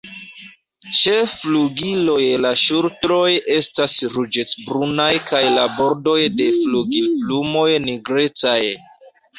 Ĉe flugiloj la ŝultroj estas ruĝecbrunaj kaj la bordoj de flugilplumoj nigrecaj.